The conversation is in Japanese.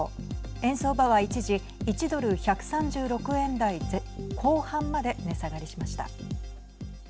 円相場は一時１ドル＝１３６円台後半まで値下がりしました。